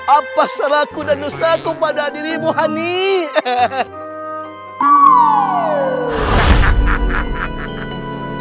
apa salahku dan dosaku pada dirimu honey